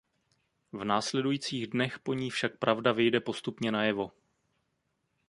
V následujících dnech po ní však pravda vyjde postupně najevo.